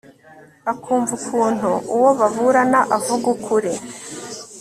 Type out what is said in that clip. akumva ukuntu uwo baburana avuga ukuri